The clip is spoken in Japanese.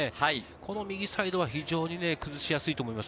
この右サイドは非常に崩しやすいと思います。